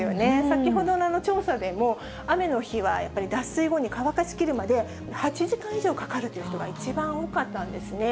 先ほどの調査でも、雨の日はやっぱり脱水後に乾かしきるまで、８時間以上かかるという人が一番多かったんですね。